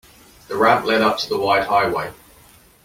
The ramp led up to the wide highway.